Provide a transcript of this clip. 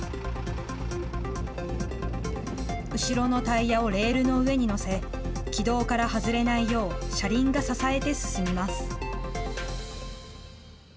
後ろのタイヤをレールの上に乗せ、軌道から外れないよう、車輪が支えて進みます。